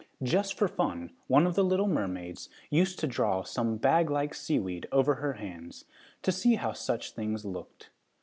Just for fun, one of the little mermaids used to draw some bag like seaweed over her hands, to see how such things looked.